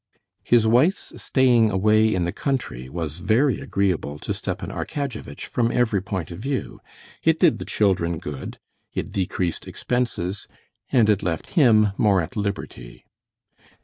His wife's staying away in the country was very agreeable to Stepan Arkadyevitch from every point of view: it did the children good, it decreased expenses, and it left him more at liberty.